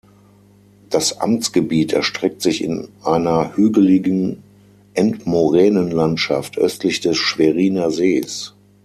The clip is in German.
Das Amtsgebiet erstreckt sich in einer hügeligen Endmoränenlandschaft östlich des Schweriner Sees.